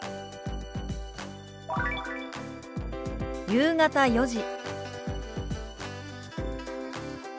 「夕方４時」。